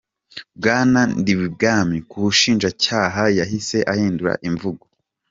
Bwana Ndibwami ku bushinjacyaha yahise ahindura imvugo.